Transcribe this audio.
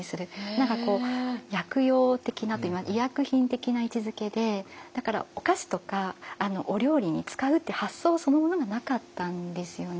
何か薬用的な医薬品的な位置づけでだからお菓子とかお料理に使うっていう発想そのものがなかったんですよね。